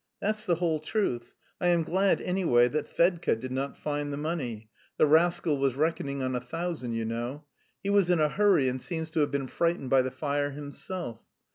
That's the whole truth. I am glad, anyway, that Fedka did not find the money, the rascal was reckoning on a thousand, you know! He was in a hurry and seems to have been frightened by the fire himself....